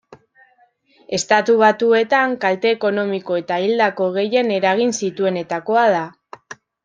Estatu Batuetan kalte ekonomiko eta hildako gehien eragin zituenetakoa da.